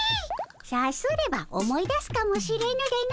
さすれば思い出すかもしれぬでの。